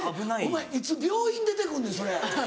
お前いつ病院出てくんねんそれ。